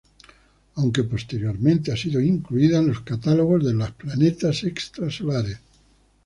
Aunque posteriormente ha sido incluida en los catálogos de los planetas extrasolares.